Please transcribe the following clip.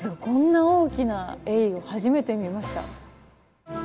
こんな大きなエイを初めて見ました。